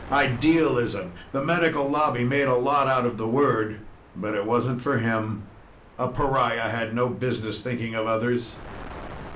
Idealism! The Medical Lobby made a lot out of the word. But it wasn't for him. A pariah had no business thinking of others.